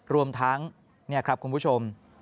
รวมทั้งนี่ครับคุณผู้ชม